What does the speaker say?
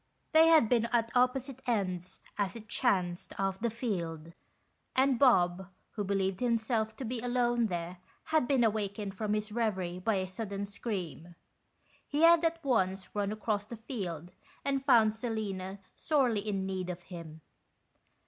They had been at opposite ends, as it chanced, of the field ; and Bob, who believed himself to be alone there, had been awakened from his reverie by a sudden scream. He had at once run across the field, and found Selina sorely in need of him.